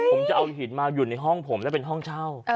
ผมจะเอาหินมาอยู่ในห้องผมและเป็นห้องเช่า